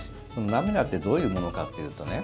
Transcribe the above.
涙ってどういうものかっていうとね